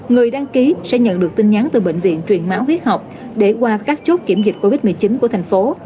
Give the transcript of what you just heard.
người đăng ký sẽ nhận được tin nhắn từ bệnh viện truyền máu huyết học để qua các chốt kiểm dịch covid một mươi chín của thành phố